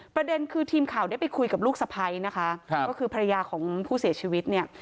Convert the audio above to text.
ประเด็นคือทีมข่าวได้ไปคุยกับลูกสะพ้ายนะคะก็คือภรรยาของผู้เสียชีวิตเนี่ย